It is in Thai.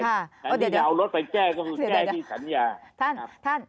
แต่มีออน์ล็อตไปแก้ก็มันแก้ที่สัญญา